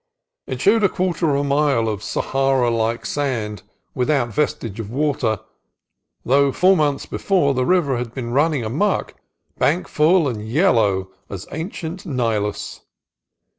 It showed a quarter mile 140 CALIFORNIA COAST TRAILS' of Sahara like sand, without vestige of water, though four months before the river had been running amuck, bank full and yellow as ancient Nilus.